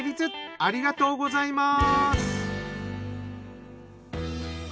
ありがとうございます。